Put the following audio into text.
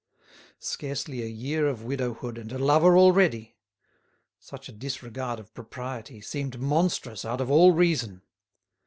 Scarcely a year of widowhood and a lover already! Such a disregard of propriety seemed monstrous out of all reason.